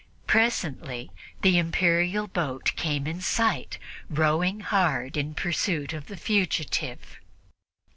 Presently the Imperial boat came in sight, rowing hard in pursuit of the fugitive.